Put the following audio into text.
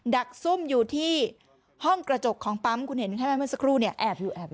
ดักซุ่มอยู่ที่ห้องกระจกของปั๊มคุณเห็นใช่ไหมเมื่อสักครู่เนี่ยแอบอยู่แอบ